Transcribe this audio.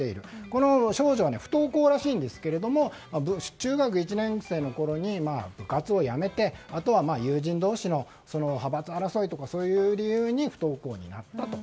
この少女は不登校らしいんですが中学１年生のころに部活をやめてあとは友人同士の派閥争いとかそういう理由で不登校になったと。